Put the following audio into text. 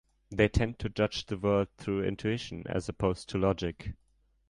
They tend to judge the world through intuition as opposed to logic.